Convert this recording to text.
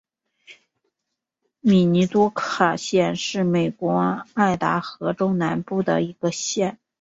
米尼多卡县是美国爱达荷州南部的一个县。